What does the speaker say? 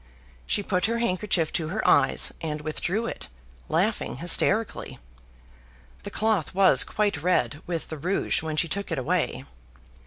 She put her handkerchief to her eyes, and withdrew it, laughing hysterically the cloth was quite red with the rouge when she took it away.